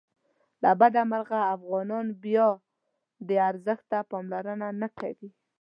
له بده مرغه افغانان بیا دې ارزښت ته پاملرنه نه کوي.